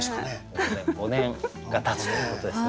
もうね５年がたつということですね。